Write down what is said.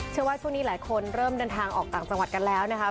เชื่อว่าช่วงนี้หลายคนเริ่มเดินทางออกต่างจังหวัดกันแล้วนะครับ